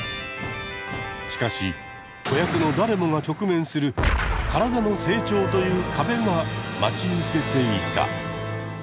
しかし子役の誰もが直面する体の成長という壁が待ち受けていた。